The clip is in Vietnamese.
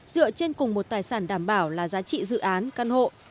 dựa trên cùng một tài sản đảm bảo là giá trị dự án căn hộ